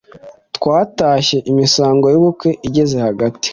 Twatashye Imisango y' ubukwe igeze hagati